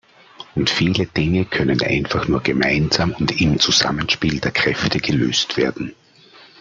Und viele Dinge können einfach nur gemeinsam und im Zusammenspiel der Kräfte gelöst werden.